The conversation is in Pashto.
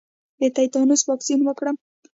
د تیتانوس واکسین وکړم؟